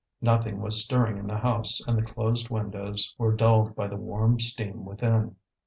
Nothing was stirring in the house, and the closed windows were dulled by the warm steam within.